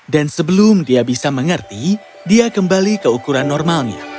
dan sebelum dia bisa mengerti dia kembali ke ukuran normalnya